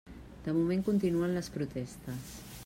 De moment, continuen les protestes.